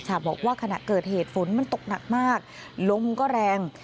บอกว่าขณะเกิดเหตุฝนมันตกหนักมากลมก็แรง